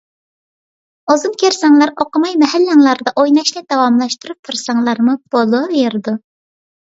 ئۇزۇن كۆرسەڭلار ئوقۇماي مەھەللەڭلەردە ئويناشنى داۋاملاشتۇرۇپ تۇرساڭلارمۇ بولۇۋېرىدۇ.